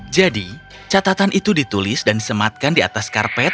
jadi catatan itu ditulis dan disematkan di atas karpet